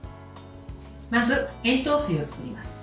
まず、塩糖水を作ります。